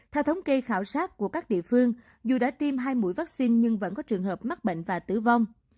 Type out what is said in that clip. theo thống kê khảo sát của các địa phương dù đã tiêm hai mũi vaccine nhưng vẫn có trường hợp mắc bệnh và tử vong